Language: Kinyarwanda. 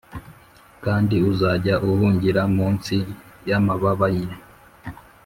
kandi uzajya uhungira munsi y’amababa ye,